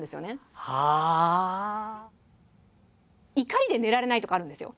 怒りで寝られないとかあるんですよ。